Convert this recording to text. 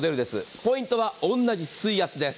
ポイントは同じ水圧です。